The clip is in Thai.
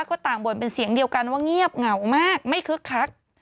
ก็ต่างบ่นเป็นเสียงเดียวกันว่าเงียบเหงามากไม่คึกคัก